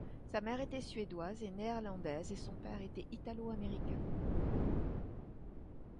Sa mère était suédoise et néerlandaise et son père était italo-américain.